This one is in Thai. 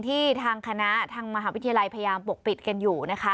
ที่ทางคณะทางมหาวิทยาลัยพยายามปกปิดกันอยู่นะคะ